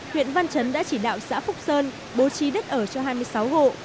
huyện văn chấn đã chỉ đạo xã phúc sơn bố trí đất ở cho hai mươi sáu hộ